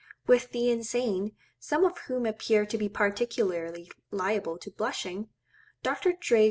With the insane, some of whom appear to be particularly liable to blushing, Dr. J.